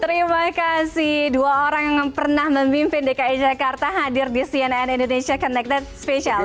terima kasih dua orang yang pernah memimpin dki jakarta hadir di cnn indonesia connected spesial